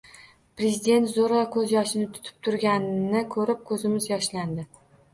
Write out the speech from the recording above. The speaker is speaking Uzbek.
Prezident zo‘rg‘a ko‘z yoshini tutib turganini ko‘rib ko‘zimiz yoshlandi.